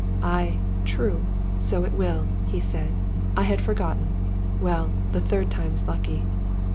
" Aye, true ; so it will," he said. " I had forgotten. Well, the third time's lucky."